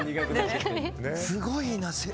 すごいな。